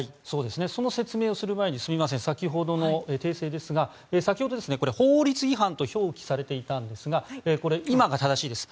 その説明をする前に先ほどの訂正ですが先ほど、法律違反と表記されていたんですがこれは今が正しいです。